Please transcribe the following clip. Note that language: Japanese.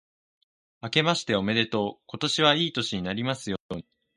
あけましておめでとう。今年はいい年になりますように。